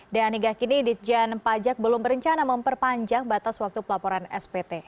dan hingga kini ditjan pajak belum berencana memperpanjang batas waktu pelaporan spt